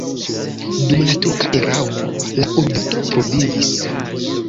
Dum la turka erao la urbeto pluvivis.